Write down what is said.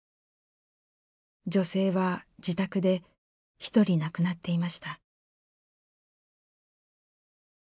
女性は自宅で一人亡くなっていました。